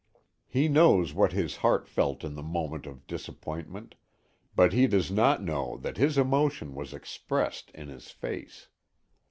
He knows what his heart felt in the moment of disappointment, but he does not know that his emotion was expressed in his face.